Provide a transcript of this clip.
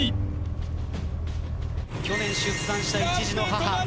去年出産した一児の母。